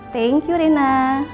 thank you rena